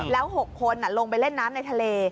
แล้ว๖คนลงไปเล่นน้ำในทะเล